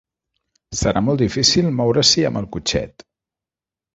Serà molt difícil moure-s'hi amb el cotxet.